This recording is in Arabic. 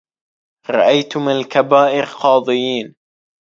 رأيت من الكبائر قاضيين